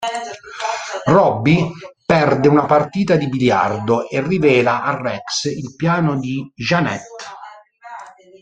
Robbie perde una partita di biliardo e rivela a Rex il piano di Jeannette.